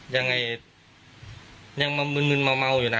ยังไงยังมามึนเมาอยู่นะ